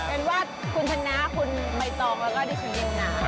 เป็นวาดคุณธนาคุณมายตองแล้วก็ดิฉิงน้า